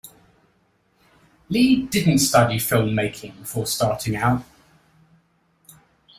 Lee did not study film making before starting out.